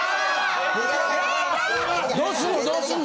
・どうすんの？